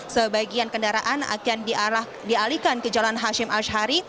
sebagian kendaraan akan dialihkan ke jalan hashim ashari